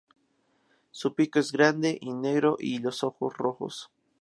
Su pico es grande y negro y los ojos rojos.